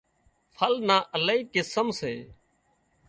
ڦل نان الاهي قسم سي